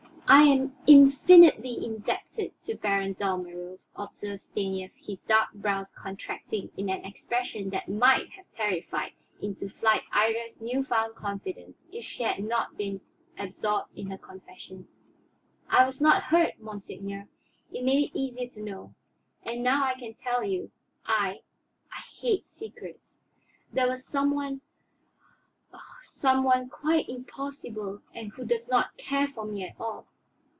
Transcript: "I am infinitely indebted to Baron Dalmorov," observed Stanief, his dark brows contracting in an expression that might have terrified into flight Iría's new found confidence, if she had not been absorbed in her confession. "I was not hurt, monseigneur; it made it easier to know. And now I can tell you; I, I hate secrets. There was some one oh, some one quite impossible and who does not care for me at all.